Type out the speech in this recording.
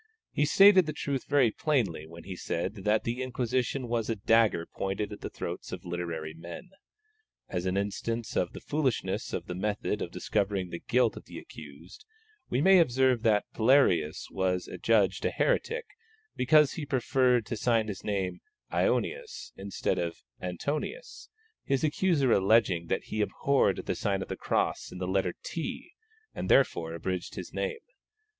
He stated the truth very plainly when he said that the Inquisition was a dagger pointed at the throats of literary men. As an instance of the foolishness of the method of discovering the guilt of the accused, we may observe that Palearius was adjudged a heretic because he preferred to sign his name Aonius, instead of Antonius, his accuser alleging that he abhorred the sign of the cross in the letter T, and therefore abridged his name.